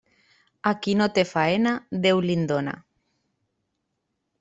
A qui no té faena, Déu li'n dóna.